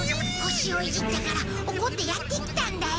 星をいじったから怒ってやって来たんだよ。